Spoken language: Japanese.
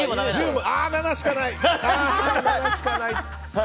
あー、７しかない！